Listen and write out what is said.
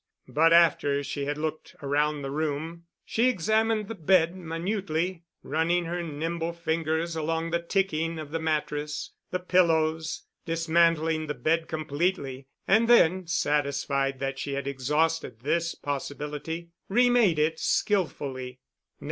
But after she had looked around the room, she examined the bed minutely, running her nimble fingers along the ticking of the mattress, the pillows, dismantling the bed completely, and then satisfied that she had exhausted this possibility, remade it skillfully.